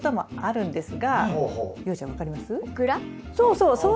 そうそう！